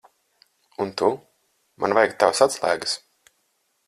Un tu. Man vajag tavas atslēgas.